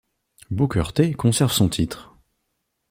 Booker T conserve son titre.